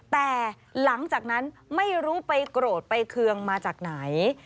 แต่หลังจากนั้นไม่รู้ไปโกรธไปเคืองมาจากไหน